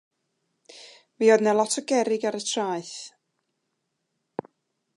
Mi oedd 'na lot o gerrig ar y traeth.